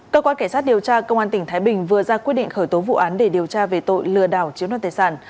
cơ quan cảnh sát điều tra công an tỉnh thái bình vừa ra quyết định khởi tố vụ án để điều tra về tội lừa đảo chiếm đoàn tài sản